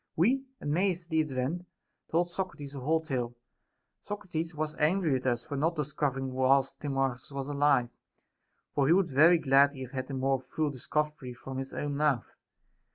We, amazed at the event, told Socrates the whole tale. t Socrates was angry with us for not discovering it whilst • Timarchns was alive ; for he would very gladly have had a more full discovery from his own mouth.